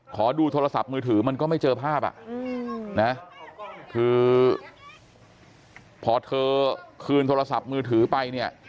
ขอดูโทรศัพท์มือถือมันก็ไม่เจอภาพอ่ะนะคือพอเธอคืนโทรศัพท์มือถือไปเนี่ย